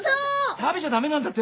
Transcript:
食べちゃ駄目なんだってば。